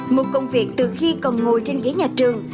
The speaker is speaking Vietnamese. một công việc từ khi còn ngồi trên ghế nhà trường